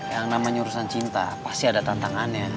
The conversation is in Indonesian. yang namanya urusan cinta pasti ada tantangannya